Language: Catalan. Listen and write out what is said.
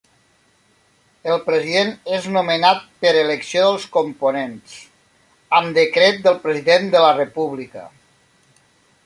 El President és nomenat per elecció dels components, amb Decret del President de la República.